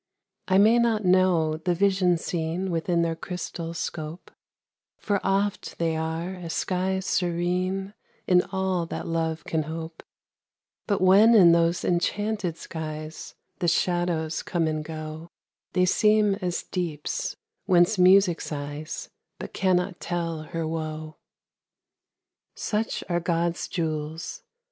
I may not know the visions seen Within their crystal scope, For oft they are as skies serene In all that Love can hope; But when in those enchanted skies The shadows come and go, They seem as deeps whence Music sighs But cannot tell her woe. TO ONE LOVED. Such are God's jewels.